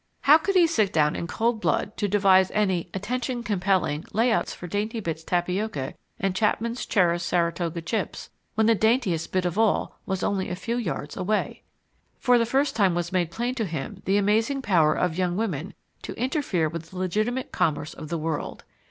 How could he sit down in cold blood to devise any "attention compelling" lay outs for Daintybits Tapioca and Chapman's Cherished Saratoga Chips, when the daintiest bit of all was only a few yards away? For the first time was made plain to him the amazing power of young women to interfere with the legitimate commerce of the world.